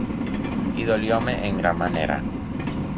Y dolióme en gran manera;